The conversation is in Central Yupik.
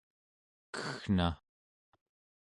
keggna